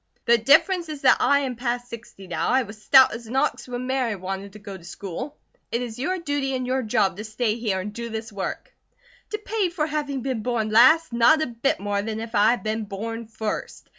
'" "The difference is that I am past sixty now. I was stout as an ox when Mary wanted to go to school. It is your duty and your job to stay here and do this work." "To pay for having been born last? Not a bit more than if I had been born first.